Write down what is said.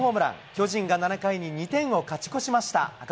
巨人が７回に２点を勝ち越しました。